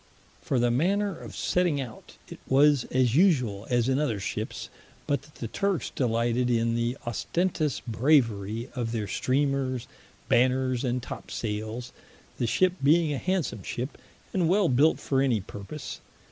For the manner of setting out, it was as usuall as in other ships, but that the Turkes delighted in the ostentous braverie of their Streamers, Banners, and Top sayles; the ship being a handsome ship, and well built for any purpose.